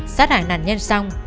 sát hải nạn nhân xong